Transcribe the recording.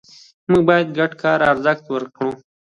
موږ باید ګډ کار ته ارزښت ورکړو